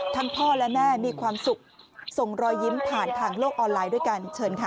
พ่อและแม่มีความสุขส่งรอยยิ้มผ่านทางโลกออนไลน์ด้วยกันเชิญค่ะ